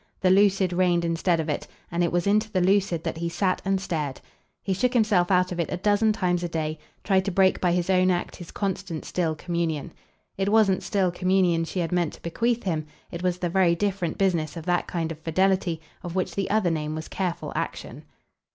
The lucid reigned instead of it, and it was into the lucid that he sat and stared. He shook himself out of it a dozen times a day, tried to break by his own act his constant still communion. It wasn't still communion she had meant to bequeath him; it was the very different business of that kind of fidelity of which the other name was careful action.